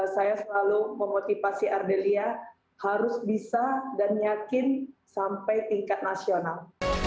saya selalu memotivasi ardelia harus bisa dan yakin sampai tingkat nasional